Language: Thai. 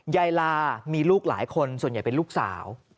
ลามีลูกหลายคนส่วนใหญ่เป็นลูกสาว